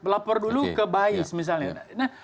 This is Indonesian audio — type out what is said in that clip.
lapor dulu ke bis misalnya